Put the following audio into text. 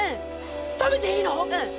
食べていいの？